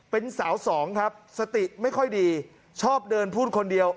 เป็นสาวสองครับสติไม่ค่อยดีชอบเดินพูดคนเดียว